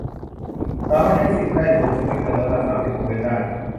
สามารถใช้สิทธิ์ได้สูงสุดไม่เกินร้อยละ สามสิบ ของเงินได้